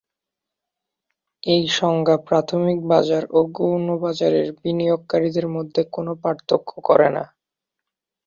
এই সংজ্ঞা প্রাথমিক বাজার এবং গৌণ বাজারের বিনিয়োগকারীদের মধ্যে কোনও পার্থক্য করে না।